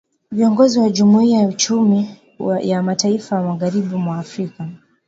Viongozi wa jumuia ya uchumi ya mataifa ya magharibi mwa Afrika